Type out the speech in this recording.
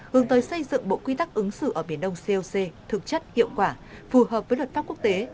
hướng tới xây dựng bộ quy tắc ứng xử ở biển đông coc thực chất hiệu quả phù hợp với luật pháp quốc tế